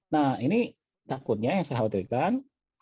nah ini takutnya yang saya khawatirkan